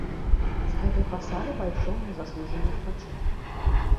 З гэтай пасады пайшоў на заслужаны адпачынак.